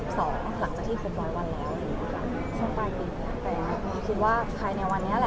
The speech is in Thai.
หลังจากที่๖๐๐วันแล้วคือว่าใครในวันนี้แหละ